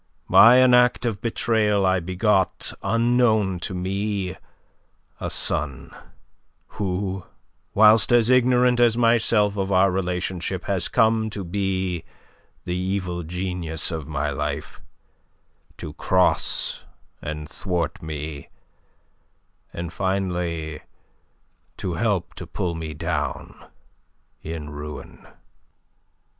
By an act of betrayal I begot unknown to me a son who, whilst as ignorant as myself of our relationship, has come to be the evil genius of my life, to cross and thwart me, and finally to help to pull me down in ruin.